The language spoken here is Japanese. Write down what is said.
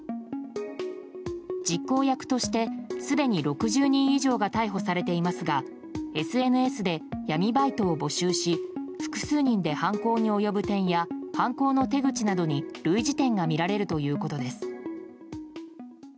実行役として、すでに６０人以上が逮捕されていますがＳＮＳで闇バイトを募集し複数人で犯行に及ぶ点や犯行の手口などに類似点が見られるということです。